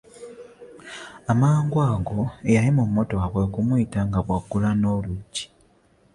Amangwago eyali mu mmotoka kwe kumuyita nga bw'aggula n'oluggi.